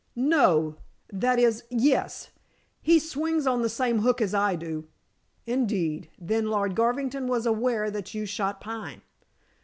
"No that is yes. He swings on the same hook as I do." "Indeed. Then Lord Garvington was aware that you shot Pine?"